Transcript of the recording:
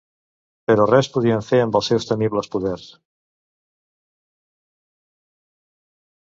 Però res podien fer amb els seus temibles poders.